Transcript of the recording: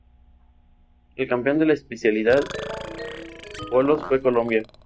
El campeón de la especialidad Bolos fue Colombia.